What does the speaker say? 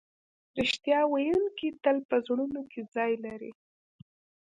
رښتیا ویونکی تل په زړونو کې ځای لري.